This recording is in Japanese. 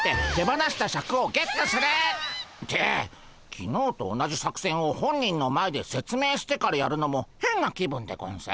きのうと同じ作戦を本人の前で説明してからやるのもへんな気分でゴンス。